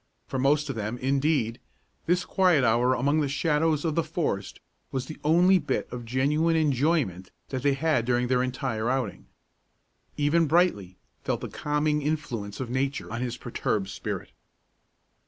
For most of them, indeed, this quiet hour among the shadows of the forest was the only bit of genuine enjoyment that they had during their entire outing. Even Brightly felt the calming influence of Nature on his perturbed spirit.